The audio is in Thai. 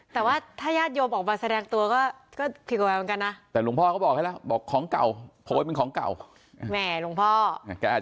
แต่ว่าถ้ายาติโยมออกมาแสดงตัวก็ทินกว่าไงเหรอ